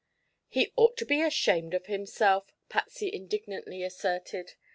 "He ought to be ashamed of himself." Patsy indignantly asserted.